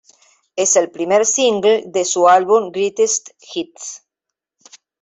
Es el primer single de su álbum Greatest Hits.